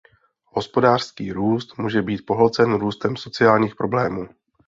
Hospodářský růst může být pohlcen růstem sociálních problémů.